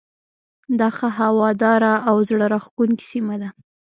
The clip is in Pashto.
دا ښه هواداره او زړه راکښونکې سیمه ده.